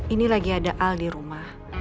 ini lagi ada al di rumah